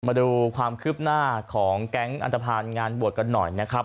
มาดูความคืบหน้าของแก๊งอันตภัณฑ์งานบวชกันหน่อยนะครับ